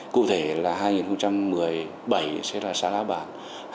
cụ thể là hai nghìn một mươi bảy sẽ là xã lá bản